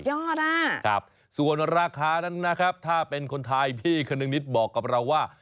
ยอดอ่ะครับส่วนราคานั้นนะครับถ้าเป็นคนไทยพี่คนนึงนิดบอกกับเราว่า